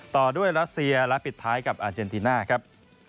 ต่อด้วยรัสเซียและปิดท้ายกับอาเจนติน่าครับ